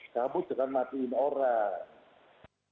kamu jangan matiin orang